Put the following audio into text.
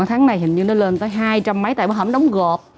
tháng này hình như nó lên tới hai trăm linh mấy tại bọn họ không đóng gợp